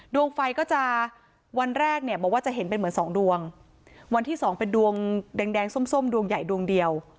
ดวงไฟก็จะวันแรกเนี่ยบอกว่าจะเห็นเป็นเหมือนสองดวงวันที่สองเป็นดวงแดงแดงส้มส้มดวงใหญ่ดวงเดียว